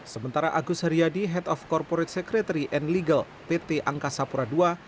sementara agus haryadi head of corporate secretary and legal pt angkasa pura ii